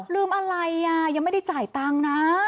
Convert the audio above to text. ลืมอะไรอ่ะยังไม่ได้จ่ายตังค์นะ